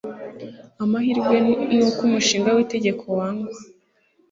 Amahirwe nuko umushinga witegeko wangwa